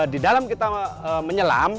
di dalam kita menyelam